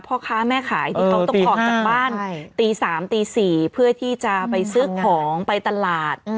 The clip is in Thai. ต้องออกจากบ้านตี๓๔เพื่อที่จะไปซื้อของไปตลาด